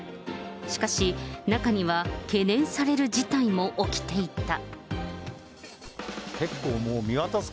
しかし、中には懸念される事態も起きていた。